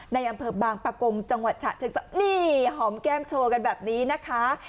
ในอำเภอบางปะกงจังหวัดฉะเชิงเซานี่หอมแก้มโชว์กันแบบนี้นะคะ